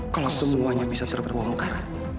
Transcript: kalau semuanya bisa terbongkar